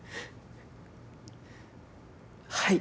はい。